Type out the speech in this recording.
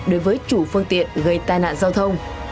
đối với chủ phương tiện gây tai nạn giao thông